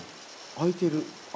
開いてる。